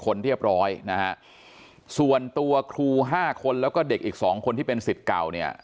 คนเรียบร้อยนะฮะส่วนตัวครูห้าคนแล้วก็เด็กอีกสองคนที่เป็นสิทธิ์เก่าเนี่ย